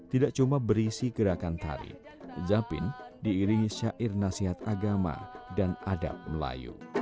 tidak cuma berisi gerakan tari zapin diiringi syair nasihat agama dan adab melayu